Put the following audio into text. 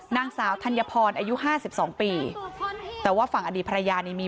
นางสาวทัญพรอายุ๕๒ปี